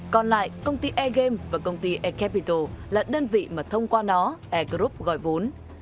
còn lại công ty air game và công ty air capital là đơn vị mà thông qua nó air group gọi vốn